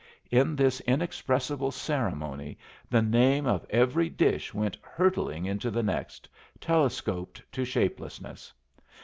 In this inexpressible ceremony the name of every dish went hurtling into the next, telescoped to shapelessness.